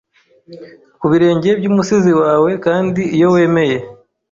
kubirenge byumusizi wawe Kandi iyo wemeye